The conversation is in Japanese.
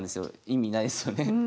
意味ないですよね。